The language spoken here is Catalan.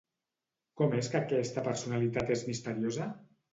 Com és que aquesta personalitat és misteriosa?